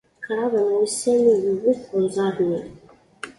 Kraḍ n wussan ay iwet unẓar-nni.